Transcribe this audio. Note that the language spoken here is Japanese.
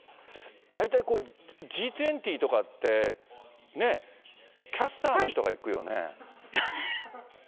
大体Ｇ２０とかって、キャスターの人が行くよね。